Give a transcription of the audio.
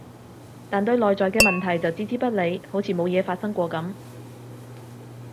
但對內在嘅問題就置之不理，好似冇嘢發生過噉